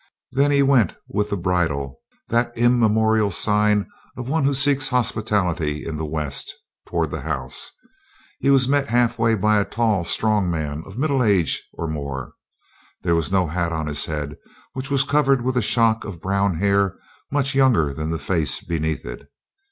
Then he went with the bridle, that immemorial sign of one who seeks hospitality in the West, toward the house. He was met halfway by a tall, strong man of middle age or more. There was no hat on his head, which was covered with a shock of brown hair much younger than the face beneath it.